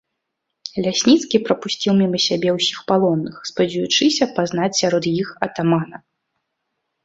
Лясніцкі прапусціў міма сябе ўсіх палонных, спадзеючыся пазнаць сярод іх атамана.